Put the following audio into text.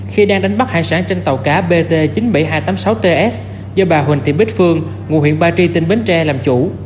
khi đang đánh bắt hải sản trên tàu cá bt chín mươi bảy nghìn hai trăm tám mươi sáu ts do bà huỳnh thị bích phương ngụ huyện ba tri tỉnh bến tre làm chủ